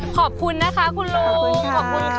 ขอบคุณนะคะคุณลุงขอบคุณค่ะ